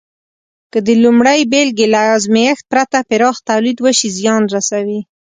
که د لومړۍ بېلګې له ازمېښت پرته پراخ تولید وشي، زیان رسوي.